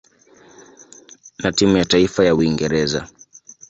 na timu ya taifa ya Uingereza.